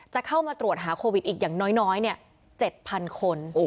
จะเข้ามาตรวจหาโควิดอีกอย่างน้อย๗๐๐คน